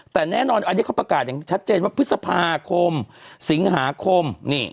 แต่แน่นอนอันนี้เขาประกาศอย่างชัดเจนว่าพฤษภาคมสิงหาคม